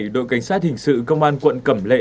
đội cảnh sát hình sự công an quận cẩm lệ